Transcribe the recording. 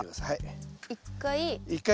１回。